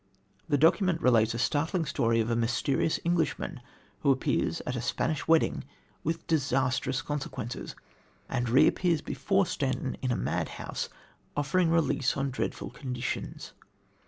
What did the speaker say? The document relates a startling story of a mysterious Englishman who appears at a Spanish wedding with disastrous consequences, and reappears before Stanton in a madhouse offering release on dreadful conditions.